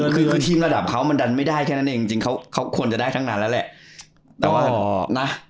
คือทีมระดับเค้ามันดันไม่ได้แค่นั้นเองจริงเค้าควรจะได้ทั้งนานแล้วแหละ